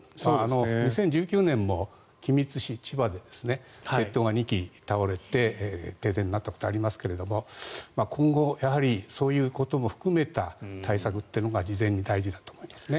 ２０１９年も君津市、千葉の鉄塔が２基倒れて停電になったことがありましたけど今後そういうことも含めた対策が事前に大事だと思います。